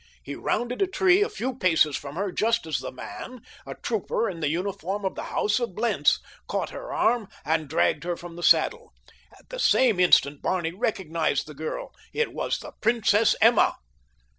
He rounded a tree a few paces from her just as the man—a trooper in the uniform of the house of Blentz—caught her arm and dragged her from the saddle. At the same instant Barney recognized the girl—it was Princess Emma.